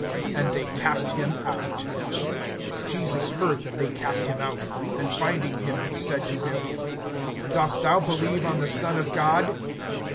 And they cast him out. (35)Jesus heard that they cast him out; and finding him, he said to him: Dost thou believe on the Son of God?